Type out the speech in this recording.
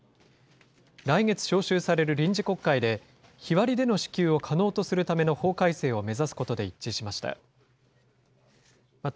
来月召集される臨時国会で、日割りでの支給を可能とするための法改正を目指すことで一致しました。